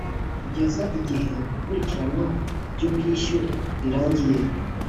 kugeza igihe ikurikiranwa ry ubwishyu rirangiye